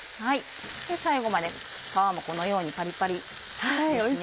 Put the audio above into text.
最後まで皮もこのようにパリパリですね。